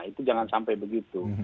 itu jangan sampai begitu